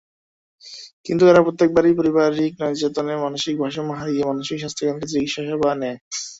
কিন্তু এরা প্রত্যেকেই পারিবারিক নির্যাতনে মানসিক ভারসাম্য হারিয়ে মানসিক স্বাস্থ্যকেন্দ্রে চিকিৎসাসেবা নেয়।